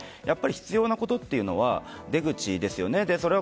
必要なことというのは出口ですよね。